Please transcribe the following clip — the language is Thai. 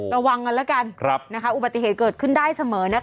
ระวังกันแล้วกันอุบัติเหตุเกิดขึ้นได้เสมอ